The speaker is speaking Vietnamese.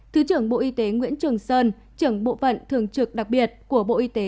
thứ trưởng bộ y tế nguyễn trường sơn trưởng bộ phận thường trực đặc biệt của bộ y tế